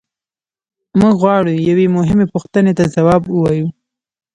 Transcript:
موږ غواړو یوې مهمې پوښتنې ته ځواب ووایو.